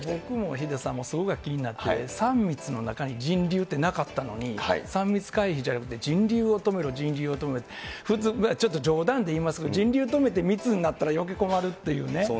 ヒデさんもすごく気になってて、３密の中に人流ってなかったのに、３密回避じゃなくて人流を止めろ、人流を止めろって、ちょっと冗談で言いますけど、人流止めて密になったらよけい困るっていうね。